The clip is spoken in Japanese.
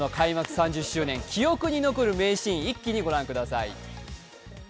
３０周年記憶に残る名シーン、一気にご覧ください。